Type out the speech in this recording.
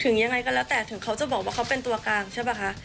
ยังไงก็แล้วแต่ถึงเขาจะบอกว่าเขาเป็นตัวกลางใช่ป่ะคะ